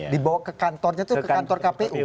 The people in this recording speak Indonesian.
dibawa ke kantornya itu ke kantor kpu